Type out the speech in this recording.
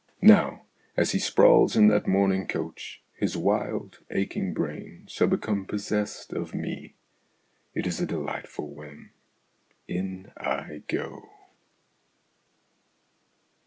Now, as he sprawls in that mourning coach, his wild, aching brain shall become possessed of me. It is a delightful whim. In I go.